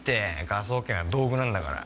科捜研は道具なんだから。